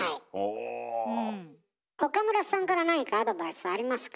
岡村さんから何かアドバイスありますか？